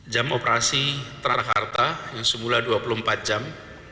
jam operasi transkarta yang semula dua puluh empat jam